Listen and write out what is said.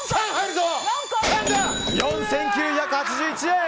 ４９８１円！